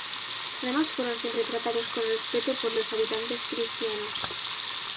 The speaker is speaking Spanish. Además fueron siempre tratados con respeto por los habitantes cristianos.